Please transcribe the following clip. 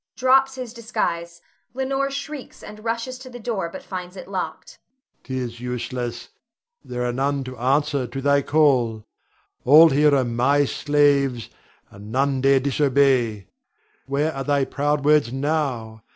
[Drops his disguise. Leonore shrieks, and rushes to the door, but finds it locked.] 'Tis useless; there are none to answer to thy call. All here are my slaves, and none dare disobey. Where are thy proud words now?